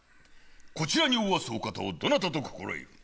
こちらにおわすお方をどなたと心得る。